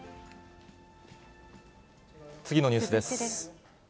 次のニュースです。